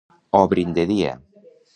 Obrin de dia.